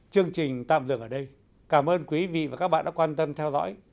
chương trình tạm dừng ở đây cảm ơn quý vị và các bạn đã quan tâm theo dõi